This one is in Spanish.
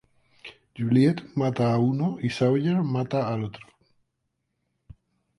Juliet mata a uno y Sawyer mata al otro.